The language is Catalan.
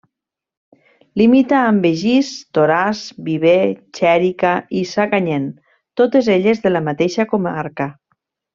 Limita amb Begís, Toràs, Viver, Xèrica i Sacanyet, totes elles de la mateixa comarca.